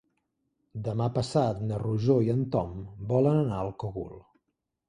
Demà passat na Rosó i en Tom volen anar al Cogul.